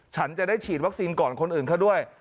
ฉันจะได้ฉีดวัคซีนก่อนคนอื่นเขาด้วย